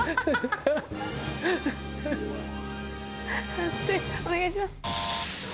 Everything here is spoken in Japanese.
判定お願いします。